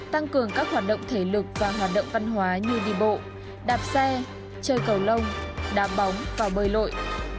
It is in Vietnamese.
tăng cường các hoạt động thể lực và hoạt động văn hóa như đi bộ đạp xe chơi cầu lông đá bóng và bơi lội